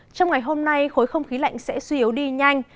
trong ngày hôm nay khối không khí lạnh sẽ suy yếu đi nhanh